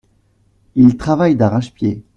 Il travaille d’arrache-pied.